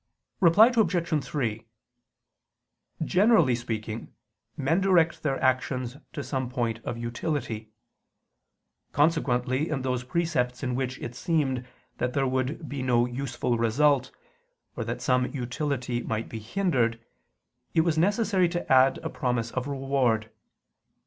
Reply Obj. 3: Generally speaking, men direct their actions to some point of utility. Consequently in those precepts in which it seemed that there would be no useful result, or that some utility might be hindered, it was necessary to add a promise of reward.